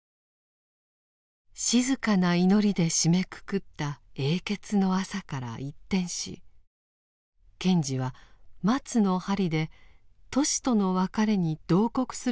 静かな祈りで締めくくった「永訣の朝」から一転し賢治は「松の針」でトシとの別れに慟哭する感情をあらわにしました。